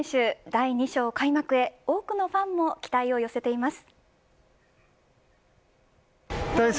第２章開幕へ多くのファンも期待を寄せています。